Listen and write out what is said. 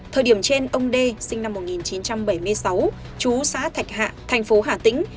thời điểm trên ông đê sinh năm một nghìn chín trăm bảy mươi sáu chú xã thạch hạ thành phố hà tĩnh